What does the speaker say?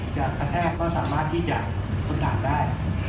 จะแท่ก็สามารถที่จะทนต่างได้